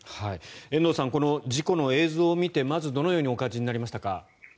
遠藤さんこの事故の映像を見てまずどのようにお感じになりましたか。